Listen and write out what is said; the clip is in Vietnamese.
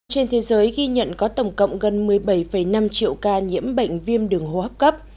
trên thế giới ghi nhận có tổng cộng gần một mươi bảy năm triệu ca nhiễm bệnh viêm đường hô hấp cấp